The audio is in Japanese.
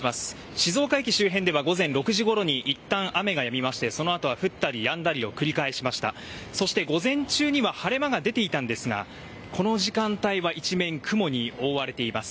静岡駅周辺では午前６時ごろにいったん雨がやみましてそのあとは降ったりやんだりを繰り返しまして午前中は晴れ間が出ていたんですがこの時間帯は一面雲に覆われています。